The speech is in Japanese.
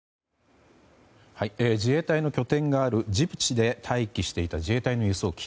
自衛隊の拠点があるジブチで待機していた自衛隊の輸送機。